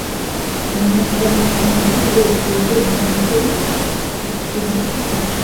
উদাহরণস্বরূপ উন্নয়নশীল দেশগুলিতে দুর্নীতি একটি প্রধান সমস্যা।